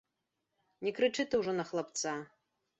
Не крычы ты ўжо на хлапца.